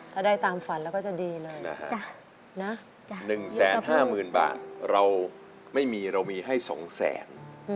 ถ้าได้ตามฝันแล้วก็จะดีเลยนะครับ๑๕๐๐๐บาทเราไม่มีเรามีให้๒แสน